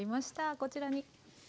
こちらに。